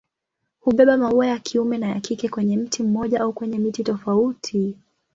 Hubeba maua ya kiume na ya kike kwenye mti mmoja au kwenye miti tofauti.